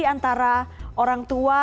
antara orang tua